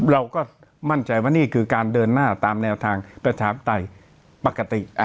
เราก็มั่นใจว่านี่คือการเดินหน้าตามแนวทางประชาธิปไตยปกติ